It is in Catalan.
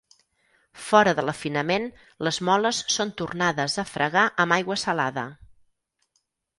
Fora de l'afinament les moles són tornades a fregar amb aigua salada.